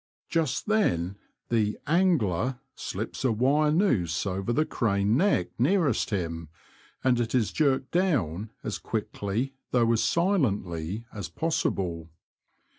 Just then the *' angler " slips a wire nooze over the craned neck nearest him, and it is jerked down as quickly, though as silently as possible.